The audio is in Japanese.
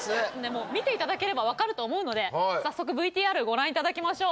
もう見て頂ければ分かると思うので早速ＶＴＲご覧頂きましょう。